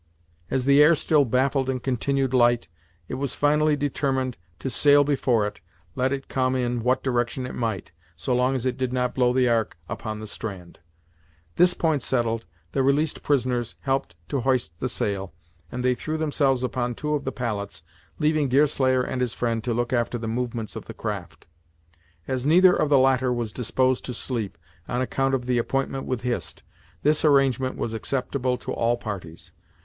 As the air still baffled and continued light, it was finally determined to sail before it, let it come in what direction it might, so long as it did not blow the ark upon the strand. This point settled, the released prisoners helped to hoist the sail, and they threw themselves upon two of the pallets, leaving Deerslayer and his friend to look after the movements of the craft. As neither of the latter was disposed to sleep, on account of the appointment with Hist, this arrangement was acceptable to all parties.